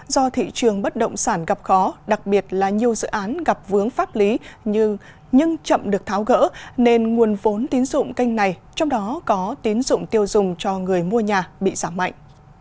do thị trường bất động sản gặp khó đặc biệt là nhiều dự án gặp vướng pháp lý như chậm được tháo gỡ nên nguồn vốn tín dụng kênh này trong đó có tín dụng tiêu dùng cho người mua nhà bị giảm mạnh